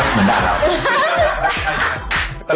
เหมือนด่าเรา